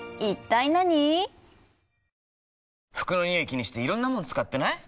気にしていろんなもの使ってない？